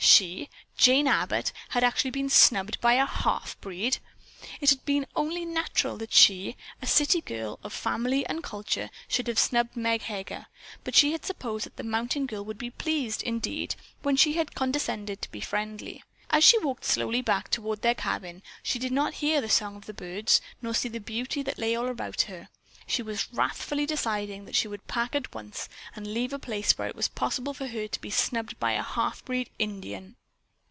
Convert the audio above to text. She, Jane Abbott, had actually been snubbed by a halfbreed. It had been only natural that she, a city girl of family and culture, should have snubbed Meg Heger. But she had supposed that the mountain girl would be pleased, indeed, when she condescended to be friendly. As she walked slowly back toward their cabin, she did not hear the song of the birds, nor see the beauty that lay all about her. She was wrathfully deciding that she would pack at once and leave a place where it was possible for her to be snubbed by a halfbreed Indian.